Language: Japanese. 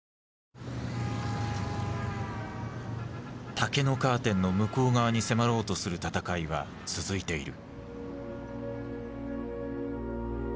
竹のカーテンの向こう側に迫ろうとする闘いは続いている。